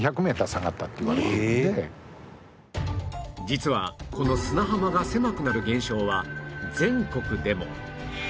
実はこの砂浜が狭くなる減少は全国でも